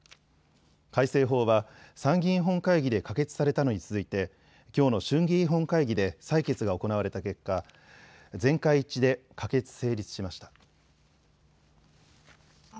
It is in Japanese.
改正法は参議院本会議で可決されたのに続いてきょうの衆議院本会議で採決が行われた結果、全会一致で可決・成立しました。